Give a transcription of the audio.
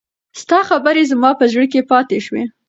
ستا خبرې زما په زړه کې پاتې شوې.